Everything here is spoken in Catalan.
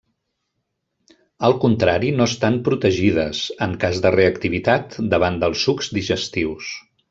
Al contrari no estan protegides, en cas de reactivitat, davant els sucs digestius.